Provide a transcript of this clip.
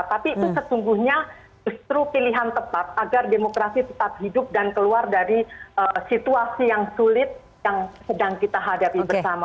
tapi itu sesungguhnya justru pilihan tepat agar demokrasi tetap hidup dan keluar dari situasi yang sulit yang sedang kita hadapi bersama